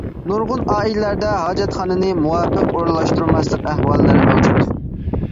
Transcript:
نۇرغۇن ئائىلىلەردە ھاجەتخانىنى مۇۋاپىق ئورۇنلاشتۇرماسلىق ئەھۋاللىرى مەۋجۇت.